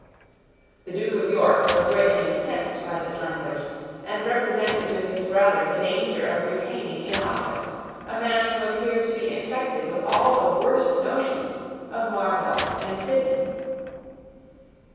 The Duke of York was greatly incensed by this language, and represented to his brother the danger of retaining in office a man who appeared to be infected with all the worst notions of Marvell and Sidney.